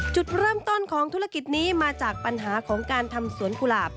จุดเริ่มต้นของธุรกิจนี้มาจากปัญหาของการทำสวนกุหลาบ